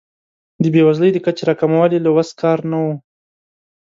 د بیوزلۍ د کچې راکمول یې له وس کار نه و.